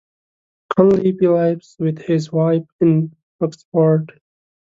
Cunliffe lives with his wife in Oxford.